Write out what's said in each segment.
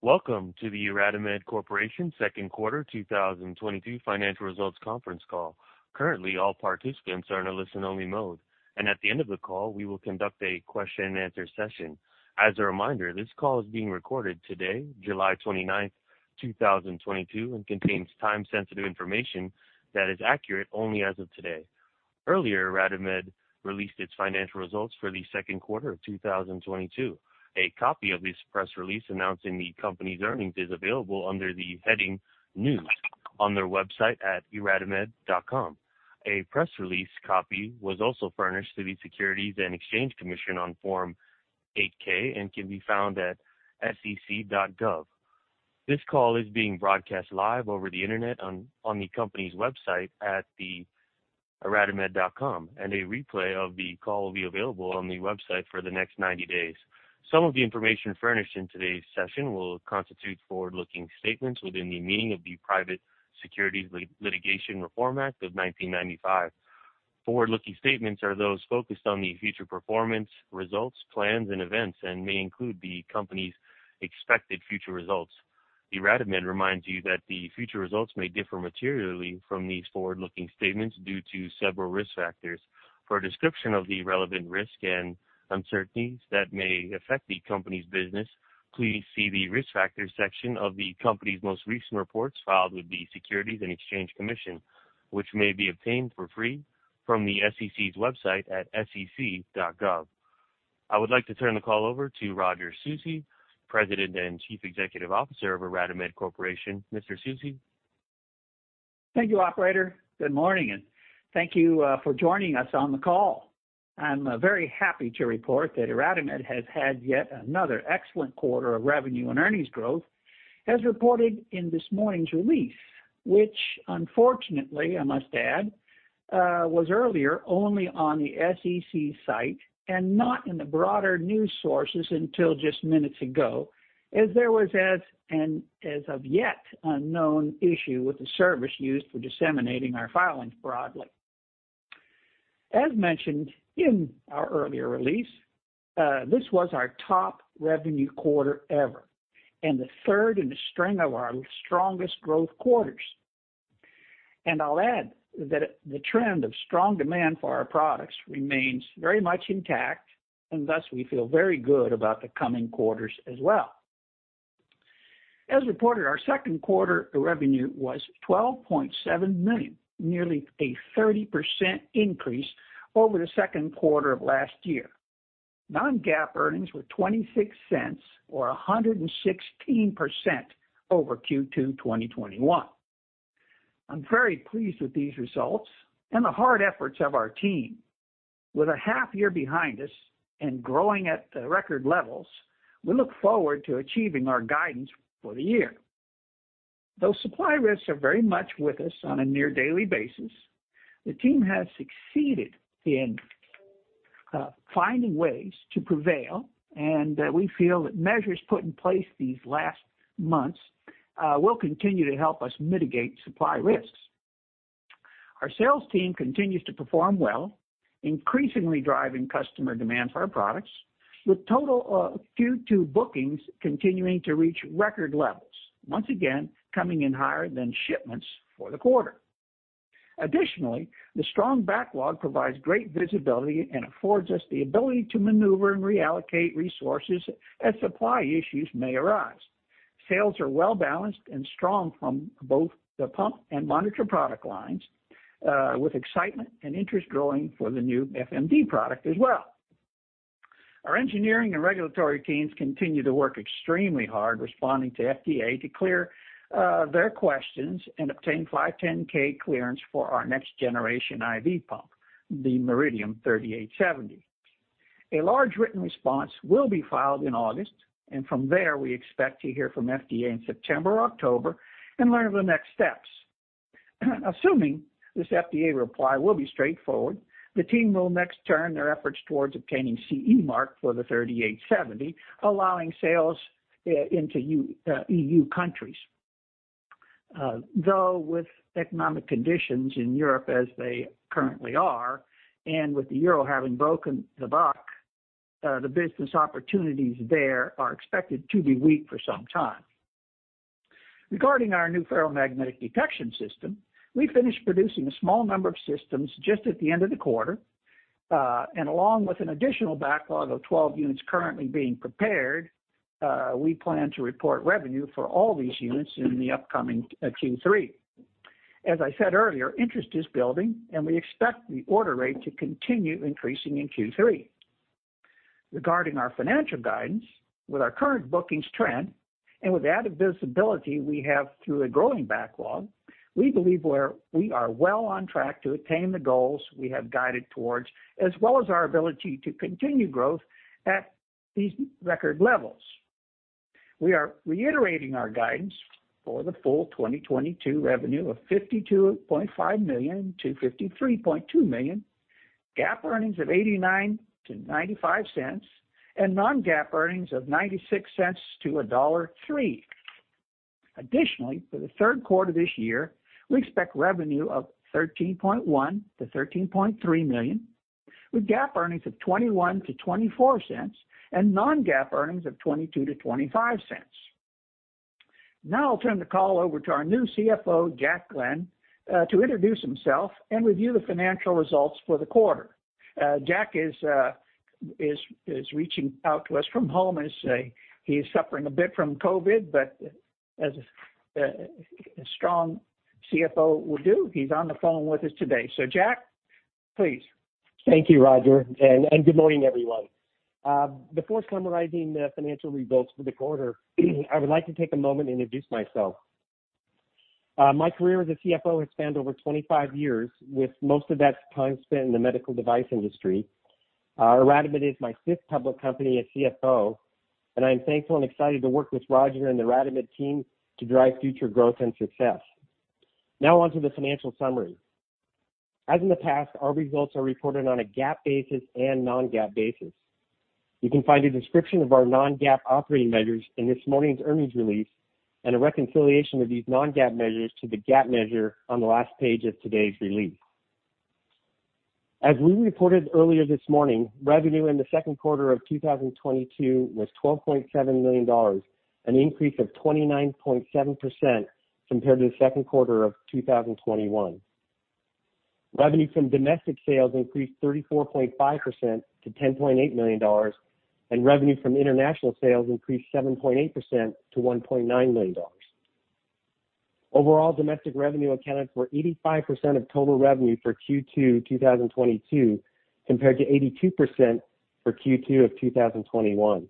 Welcome to the IRadimed Corporation Second Quarter 2022 Financial Results Conference Call. Currently, all participants are in a listen-only mode, and at the end of the call, we will conduct a question-and-answer session. As a reminder, this call is being recorded today, July 29th, 2022, and contains time-sensitive information that is accurate only as of today. Earlier, IRadimed released its financial results for the second quarter of 2022. A copy of this press release announcing the company's earnings is available under the heading News on their website at iradimed.com. A press release copy was also furnished to the Securities and Exchange Commission on Form 8-K and can be found at sec.gov. This call is being broadcast live over the Internet on the company's website at iradimed.com, and a replay of the call will be available on the website for the next 90 days. Some of the information furnished in today's session will constitute forward-looking statements within the meaning of the Private Securities Litigation Reform Act of 1995. Forward-looking statements are those focused on the future performance, results, plans, and events, and may include the company's expected future results. IRadimed reminds you that the future results may differ materially from these forward-looking statements due to several risk factors. For a description of the relevant risk and uncertainties that may affect the company's business, please see the Risk Factors section of the company's most recent reports filed with the Securities and Exchange Commission, which may be obtained for free from the SEC's website at sec.gov. I would like to turn the call over to Roger Susi, President and Chief Executive Officer of IRadimed Corporation. Mr. Susi. Thank you, operator. Good morning, and thank you for joining us on the call. I'm very happy to report that IRadimed has had yet another excellent quarter of revenue and earnings growth as reported in this morning's release, which unfortunately, I must add, was earlier only on the SEC site and not in the broader news sources until just minutes ago, as there was, as of yet, an unknown issue with the service used for disseminating our filings broadly. As mentioned in our earlier release, this was our top revenue quarter ever and the third in a string of our strongest growth quarters. I'll add that the trend of strong demand for our products remains very much intact, and thus we feel very good about the coming quarters as well. As reported, our second quarter revenue was $12.7 million, nearly a 30% increase over the second quarter of last year. non-GAAP earnings were $0.26 or 116% over Q2 2021. I'm very pleased with these results and the hard efforts of our team. With a half year behind us and growing at the record levels, we look forward to achieving our guidance for the year. Though supply risks are very much with us on a near-daily basis, the team has succeeded in finding ways to prevail, and we feel that measures put in place these last months will continue to help us mitigate supply risks. Our sales team continues to perform well, increasingly driving customer demand for our products, with total Q2 bookings continuing to reach record levels, once again coming in higher than shipments for the quarter. Additionally, the strong backlog provides great visibility and affords us the ability to maneuver and reallocate resources as supply issues may arise. Sales are well-balanced and strong from both the pump and monitor product lines, with excitement and interest growing for the new FMD product as well. Our engineering and regulatory teams continue to work extremely hard responding to FDA to clear their questions and obtain 510(k) clearance for our next generation IV pump, the MRidium 3870. A large written response will be filed in August, and from there, we expect to hear from FDA in September or October and learn the next steps. Assuming this FDA reply will be straightforward, the team will next turn their efforts towards obtaining CE mark for the 3870, allowing sales into EU countries. Though with economic conditions in Europe as they currently are and with the euro having broken the buck, the business opportunities there are expected to be weak for some time. Regarding our new ferromagnetic detection system, we finished producing a small number of systems just at the end of the quarter. And along with an additional backlog of 12 units currently being prepared, we plan to report revenue for all these units in the upcoming Q3. As I said earlier, interest is building, and we expect the order rate to continue increasing in Q3. Regarding our financial guidance, with our current bookings trend and with the added visibility we have through a growing backlog, we believe we are well on track to attain the goals we have guided towards as well as our ability to continue growth at these record levels. We are reiterating our guidance for the full 2022 revenue of $52.5 million-$53.2 million, GAAP earnings of $0.89-$0.95, and non-GAAP earnings of $0.96-$1.03. Additionally, for the third quarter this year, we expect revenue of $13.1 million-$13.3 million, with GAAP earnings of $0.21-$0.24 and non-GAAP earnings of $0.22-$0.25. Now I'll turn the call over to our new CFO, Jack Glenn, to introduce himself and review the financial results for the quarter. Jack is reaching out to us from home as he is suffering a bit from COVID, but as a strong CFO would do, he's on the phone with us today. Jack, please. Thank you, Roger, good morning, everyone. Before summarizing the financial results for the quarter, I would like to take a moment to introduce myself. My career as a CFO has spanned over 25 years, with most of that time spent in the medical device industry. IRadimed is my fifth public company as CFO, and I'm thankful and excited to work with Roger and the IRadimed team to drive future growth and success. Now on to the financial summary. As in the past, our results are reported on a GAAP basis and non-GAAP basis. You can find a description of our non-GAAP operating measures in this morning's earnings release and a reconciliation of these non-GAAP measures to the GAAP measure on the last page of today's release. As we reported earlier this morning, revenue in the second quarter of 2022 was $12.7 million, an increase of 29.7% compared to the second quarter of 2021. Revenue from domestic sales increased 34.5% to $10.8 million, and revenue from international sales increased 7.8% to $1.9 million. Overall, domestic revenue accounted for 85% of total revenue for Q2 2022, compared to 82% for Q2 of 2021.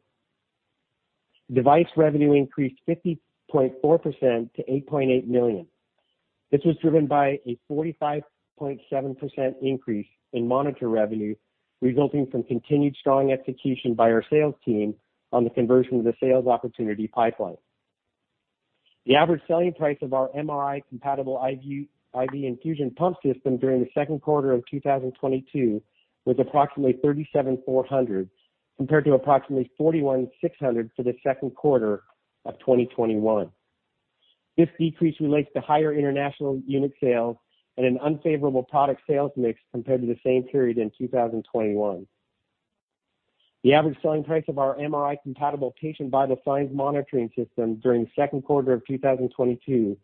Device revenue increased 50.4% to $8.8 million. This was driven by a 45.7% increase in monitor revenue, resulting from continued strong execution by our sales team on the conversion of the sales opportunity pipeline. The average selling price of our MRI-compatible IV infusion pump system during the second quarter of 2022 was approximately $37,400, compared to approximately $41,600 for the second quarter of 2021. This decrease relates to higher international unit sales and an unfavorable product sales mix compared to the same period in 2021. The average selling price of our MRI-compatible patient vital signs monitoring system during the second quarter of 2022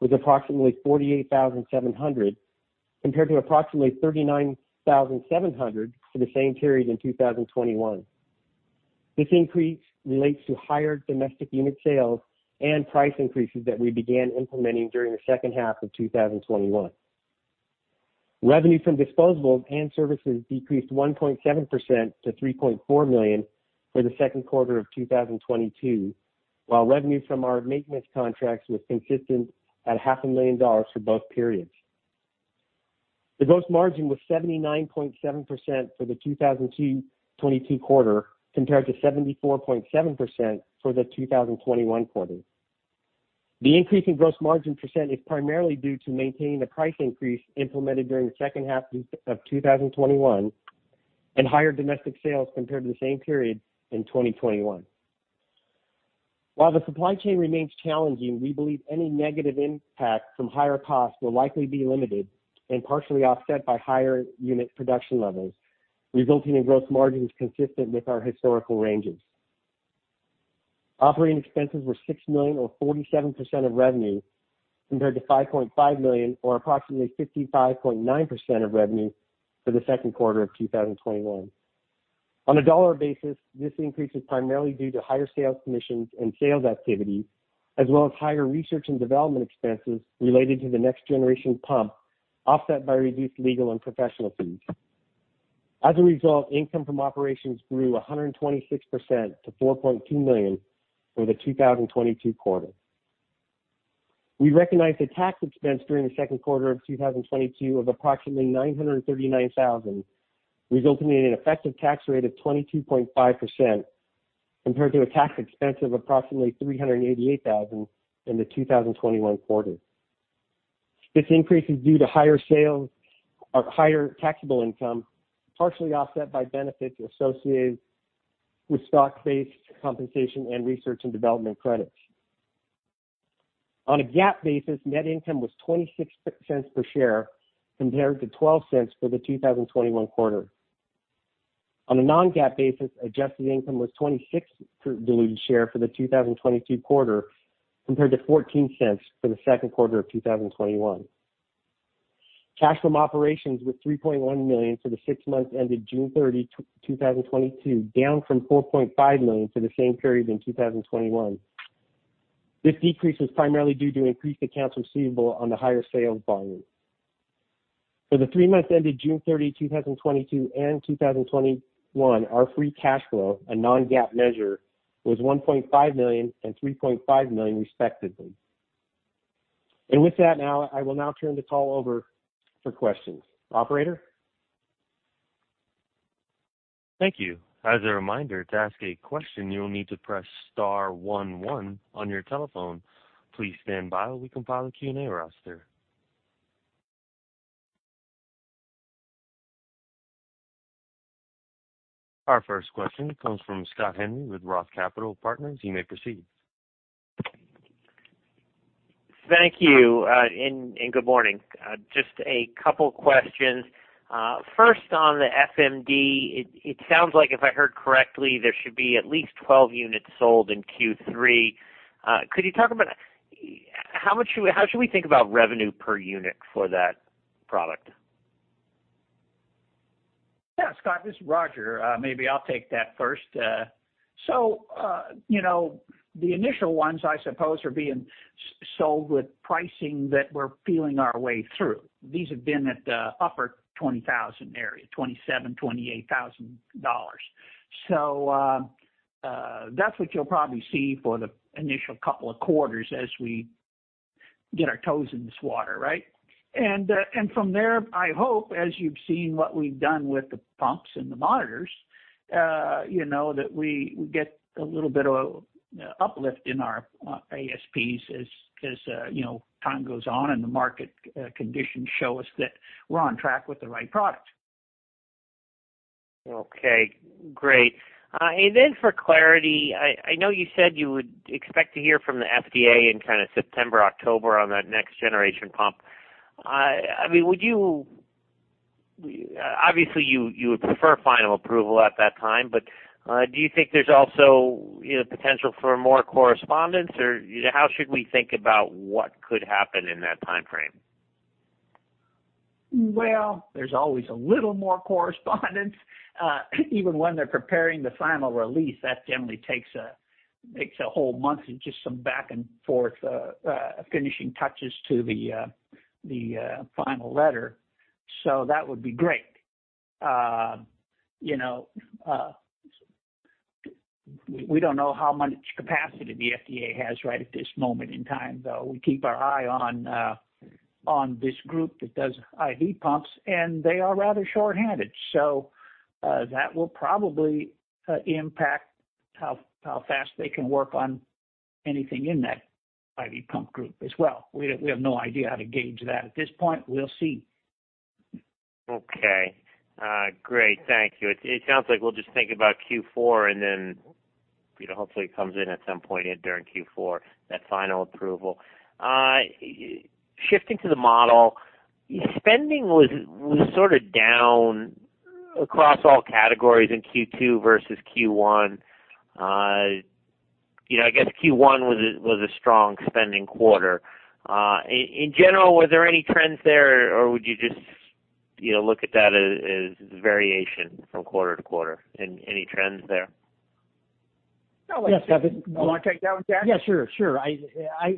was approximately $48,700, compared to approximately $39,700 for the same period in 2021. This increase relates to higher domestic unit sales and price increases that we began implementing during the second half of 2021. Revenue from disposables and services decreased 1.7% to $3.4 million for the second quarter of 2022, while revenue from our maintenance contracts was consistent at $500,000 for both periods. The gross margin was 79.7% for the 2022 quarter, compared to 74.7% for the 2021 quarter. The increase in gross margin percent is primarily due to maintaining the price increase implemented during the second half of 2021 and higher domestic sales compared to the same period in 2021. While the supply chain remains challenging, we believe any negative impact from higher costs will likely be limited and partially offset by higher unit production levels, resulting in gross margins consistent with our historical ranges. Operating expenses were $6 million or 47% of revenue, compared to $5.5 million or approximately 55.9% of revenue for the second quarter of 2021. On a dollar basis, this increase is primarily due to higher sales commissions and sales activity, as well as higher research and development expenses related to the next generation pump, offset by reduced legal and professional fees. As a result, income from operations grew 126% to $4.2 million for the 2022 quarter. We recognized a tax expense during the second quarter of 2022 of approximately $939,000 resulting in an effective tax rate of 22.5%, compared to a tax expense of approximately $388,000 in the 2021 quarter. This increase is due to higher sales or higher taxable income, partially offset by benefits associated with stock-based compensation and research and development credits. On a GAAP basis, net income was $0.26 per share, compared to $0.12 for the 2021 quarter. On a non-GAAP basis, adjusted income was $0.26 per diluted share for the 2022 quarter, compared to $0.14 for the second quarter of 2021. Cash from operations was $3.1 million for the six months ended June 30th, 2022, down from $4.5 million for the same period in 2021. This decrease was primarily due to increased accounts receivable on the higher sales volume. For the three months ended June 30th, 2022 and 2021, our free cash flow, a non-GAAP measure, was $1.5 million and $3.5 million respectively. With that now, I will now turn the call over for questions. Operator? Thank you. As a reminder, to ask a question, you will need to press star one one on your telephone. Please stand by while we compile a Q&A roster. Our first question comes from Scott Henry with ROTH Capital Partners. You may proceed. Thank you. Good morning. Just a couple questions. First on the FMD, it sounds like if I heard correctly, there should be at least 12 units sold in Q3. Could you talk about how should we think about revenue per unit for that product? Yeah, Scott, this is Roger. Maybe I'll take that first. The initial ones I suppose are being sold with pricing that we're feeling our way through. These have been at the upper 20,000 area, $27,000-$28,000. That's what you'll probably see for the initial couple of quarters as we get our toes in this water, right? From there, I hope, as you've seen what we've done with the pumps and the monitors, you know, that we get a little bit of uplift in our ASPs as you know, time goes on and the market conditions show us that we're on track with the right product. Okay, great. For clarity, I know you said you would expect to hear from the FDA in kinda September, October on that next generation pump. I mean, obviously you would prefer final approval at that time, but do you think there's also, you know, potential for more correspondence? Or how should we think about what could happen in that timeframe? Well, there's always a little more correspondence. Even when they're preparing the final release, that generally takes a whole month and just some back and forth, finishing touches to the final letter. That would be great. You know, we don't know how much capacity the FDA has right at this moment in time, though. We keep our eye on this group that does IV pumps, and they are rather short-handed. That will probably impact how fast they can work on anything in that IV pump group as well. We have no idea how to gauge that at this point. We'll see. Okay. Great. Thank you. It sounds like we'll just think about Q4, and then, you know, hopefully it comes in at some point during Q4, that final approval. Shifting to the model, spending was sort of down across all categories in Q2 versus Q1. You know, I guess Q1 was a strong spending quarter. In general, were there any trends there, or would you just, you know, look at that as variation from quarter-to-quarter? Any trends there? No. Yes, Scott Henry. You wanna take that one, Jack? Yeah, sure. I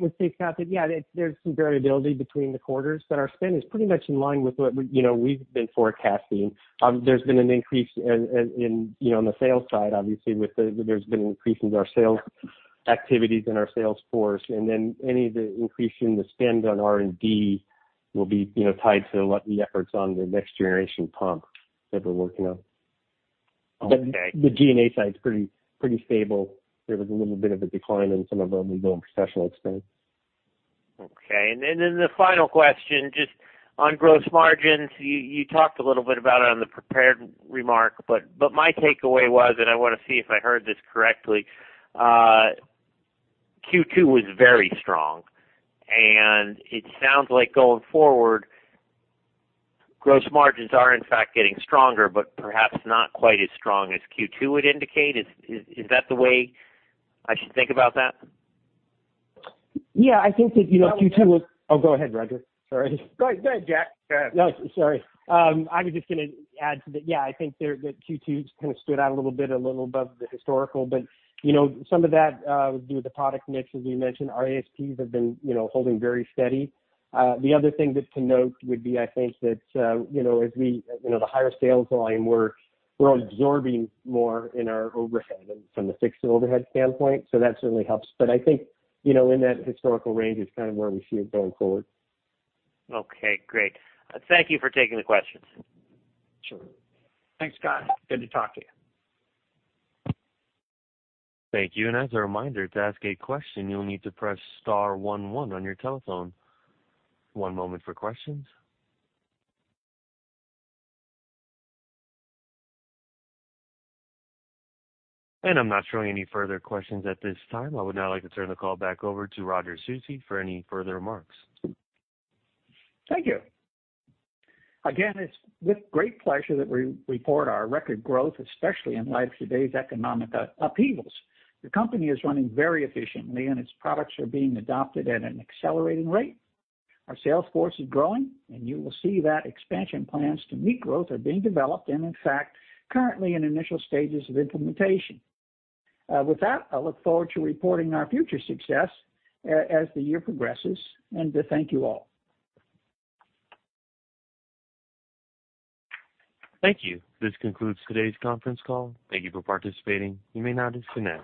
would say, Scott, that, yeah, there's some variability between the quarters, but our spend is pretty much in line with what we, you know, we've been forecasting. There's been an increase in, you know, on the sales side, obviously, there's been an increase in our sales activities and our sales force, and then any of the increase in the spend on R&D will be, you know, tied to the efforts on the next generation pump that we're working on. Okay. The G&A side is pretty stable. There was a little bit of a decline in some of our legal and professional expense. Okay. Then the final question, just on gross margins, you talked a little bit about it on the prepared remark, but my takeaway was, and I wanna see if I heard this correctly, Q2 was very strong. It sounds like going forward, gross margins are in fact getting stronger, but perhaps not quite as strong as Q2 would indicate. Is that the way I should think about that? Yeah. I think that, you know, Q2 was I would. Oh, go ahead, Roger. Sorry. Go ahead. Go ahead, Jack. Go ahead. No, sorry. I was just gonna add to that. Yeah, I think that Q2 just kinda stood out a little bit, a little above the historical, but, you know, some of that was due to the product mix, as we mentioned. Our ASPs have been, you know, holding very steady. The other thing to note would be, I think, that, you know, as we, you know, the higher sales volume, we're absorbing more in our overhead and from the fixed overhead standpoint, so that certainly helps. I think, you know, in that historical range is kind of where we see it going forward. Okay, great. Thank you for taking the questions. Sure. Thanks, Scott. Good to talk to you. Thank you. As a reminder, to ask a question, you'll need to press star one one on your telephone. One moment for questions. I'm not showing any further questions at this time. I would now like to turn the call back over to Roger Susi for any further remarks. Thank you. Again, it's with great pleasure that we report our record growth, especially in light of today's economic upheavals. The company is running very efficiently, and its products are being adopted at an accelerating rate. Our sales force is growing, and you will see that expansion plans to meet growth are being developed, and in fact, currently in initial stages of implementation. With that, I look forward to reporting our future success as the year progresses and to thank you all. Thank you. This concludes today's conference call. Thank you for participating. You may now disconnect.